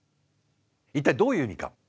一体どういう意味か。